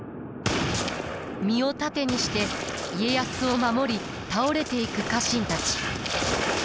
身を盾にして家康を守り倒れていく家臣たち。